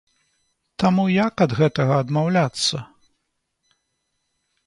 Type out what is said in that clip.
Таму як ад гэтага адмаўляцца?